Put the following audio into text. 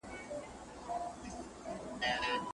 په سبا اعتبار نسته که هرڅو ښکاریږي ښکلی